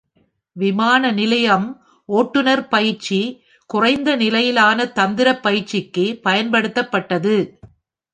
விமானநிலையம் ஓட்டுநர் பயிற்சி, குறைந்த நிலையிலான தந்திர பயிற்சிக்கு பயன்படுத்தப்பட்டது.